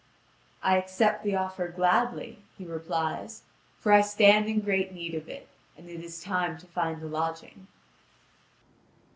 "I accept the offer gladly," he replies, "for I stand in great need of it, and it is time to find a lodging."